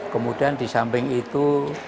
kemudian di samping itu